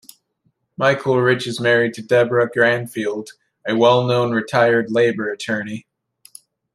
Michael Rich is married to Debra Granfield, a well-known retired labor attorney.